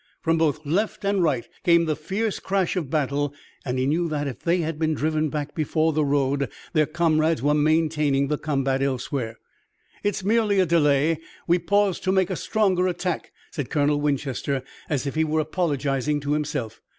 From both left and right came the fierce crash of battle, and he knew that, if they had been driven back before the road, their comrades were maintaining the combat elsewhere. "It's merely a delay. We pause to make a stronger attack," said Colonel Winchester, as if he were apologizing to himself.